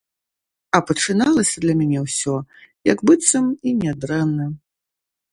А пачыналася для мяне ўсё, як быццам і нядрэнна.